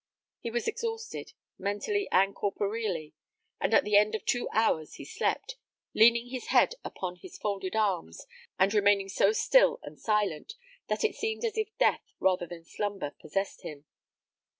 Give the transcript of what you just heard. He was exhausted, mentally and corporeally; and at the end of two hours he slept, leaning his head upon his folded arms, and remaining so still and silent, that it seemed as if death rather than slumber possessed him.